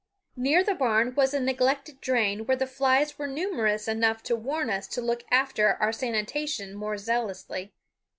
Near the barn was a neglected drain where the flies were numerous enough to warn us to look after our sanitation more zealously.